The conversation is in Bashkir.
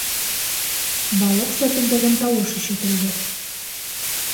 Балыҡ сәпелдәгән тауыш ишетелде.